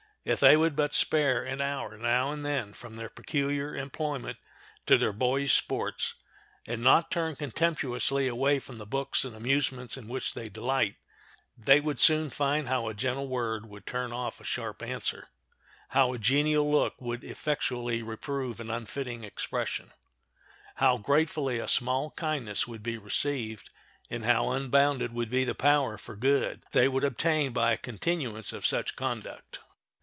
If they would but spare an hour now and then from their peculiar employment to their boyish sports, and not turn contemptuously away from the books and amusements in which they delight, they would soon find how a gentle word would turn off a sharp answer; how a genial look would effectually reprove an unfitting expression; how gratefully a small kindness would be received, and how unbounded would be the power for good they would obtain by a continuance of such conduct.